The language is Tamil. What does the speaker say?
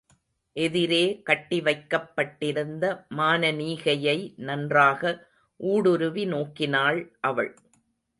எதிரே கட்டி வைக்கப்பட்டிருந்த மானனீகையை நன்றாக ஊடுருவி நோக்கினாள் அவள்.